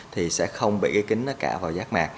thì sẽ không bị cái kính nó cạo vào giác mạc